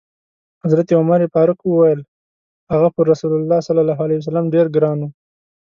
حضرت عمر فاروق وویل: هغه پر رسول الله ډېر ګران و.